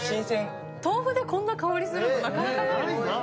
豆腐でこんな香りするのなかなかない。